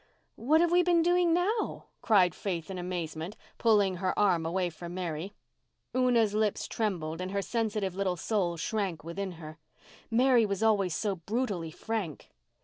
"What have we been doing now?" cried Faith in amazement, pulling her arm away from Mary. Una's lips trembled and her sensitive little soul shrank within her. Mary was always so brutally frank.